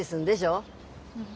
うん。